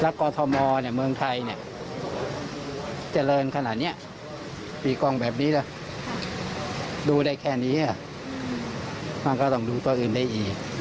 แล้วกอทมเมืองไทยเจริญขนาดนี้มีกล้องแบบนี้ล่ะดูได้แค่นี้มันก็ต้องดูตัวอื่นได้อีก